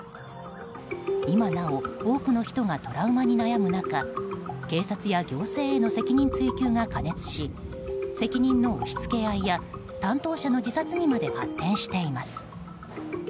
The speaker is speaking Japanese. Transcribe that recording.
今なお、多くの人がトラウマに悩む中警察や行政への責任追及が過熱し責任の押し付け合いや担当者の自殺にまで発展しています。